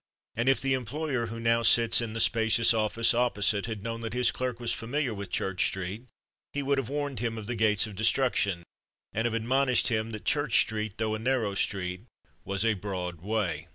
And if the employer who now sits in the spacious office opposite had known that his clerk was familiar with Church Street, he would have warned him of the gates of destruction, and have admonished him that Church Street, though a narrow street, was a broad way.